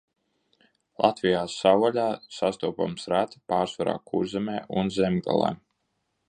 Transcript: Latvijā savvaļā sastopams reti, pārsvarā Kurzemē un Zemgalē.